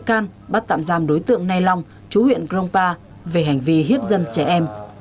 trong thời gian bắt tạm giam đối tượng nay long chú huyện cờ rông pa về hành vi hiếp dâm trẻ em